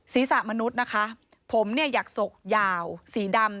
ศีรษะมนุษย์นะคะผมเนี่ยอยากศกยาวสีดำ